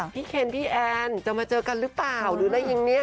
เคนพี่แอนจะมาเจอกันหรือเปล่าหรืออะไรอย่างนี้